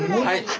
はい。